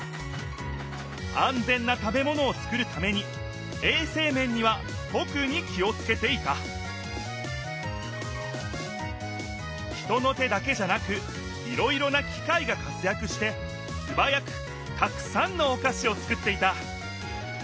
あんぜんな食べものをつくるためにえいせい面には特に気をつけていた人の手だけじゃなくいろいろな機械が活やくしてすばやくたくさんのおかしをつくっていた。